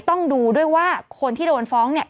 ต้องดูด้วยว่าคนที่โดนฟ้องเนี่ย